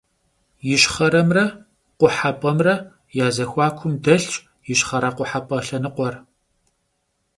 Yişxheremre khuhep'emre ya zexuakum delhş yişxhere - khuhep'e lhenıkhuer.